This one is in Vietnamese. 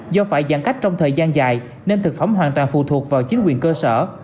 do phải giãn cách trong thời gian dài nên thực phẩm hoàn toàn phụ thuộc vào chính quyền cơ sở